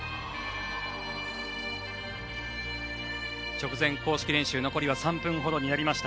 直前公式練習残りは３分ほどです。